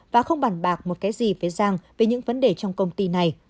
và không bàn bạc một cái gì với giang về những vấn đề trong công ty này